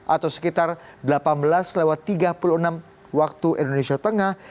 atau sekitar delapan belas lewat tiga puluh enam waktu indonesia tengah